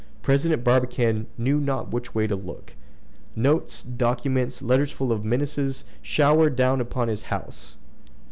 President Barbicane knew not which way to look. Notes, documents, letters full of menaces showered down upon his house.